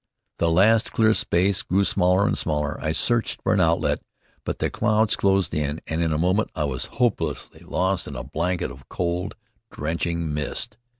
The last clear space grew smaller and smaller. I searched for an outlet, but the clouds closed in and in a moment I was hopelessly lost in a blanket of cold drenching mist.